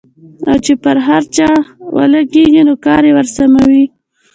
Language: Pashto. او چې پر هر چا ولګېږي نو کار يې ورسموي.